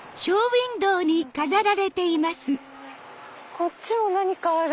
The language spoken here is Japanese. こっちも何かある！